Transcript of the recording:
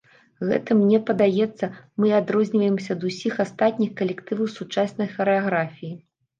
Гэтым, мне падаецца, мы і адрозніваемся ад усіх астатніх калектываў сучаснай харэаграфіі.